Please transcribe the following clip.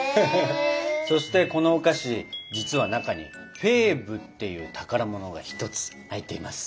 そしてこのお菓子実は中に「フェーブ」っていう宝物が一つ入っています。